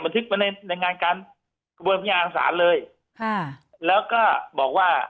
มันทึกมาในในงานการกระบวนพยานอังสารเลยค่ะแล้วก็บอกว่า